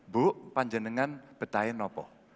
bu panjenengan betayen nopo